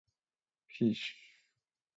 fish